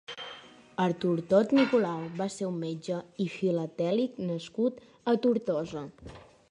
Artur Tort Nicolau va ser un metge i filatèlic nascut a Tortosa.